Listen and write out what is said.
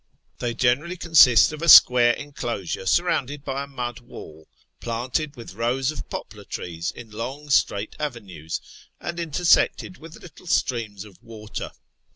They generally consist of a square enclosure sur rounded by a mud wall, planted with rows of poplar trees in long straight avenues, and intersected with little streams of water.